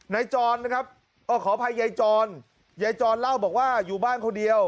จรนะครับขออภัยยายจรยายจรเล่าบอกว่าอยู่บ้านคนเดียว